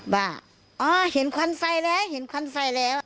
ว่าอ๋อเห็นควันไฟแล้วเห็นควันไฟแล้ว